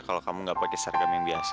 kalau kamu gak pake seragam yang biasa